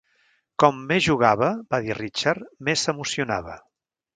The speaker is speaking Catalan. "Com més jugava", va dir Richard, "més s'emocionava".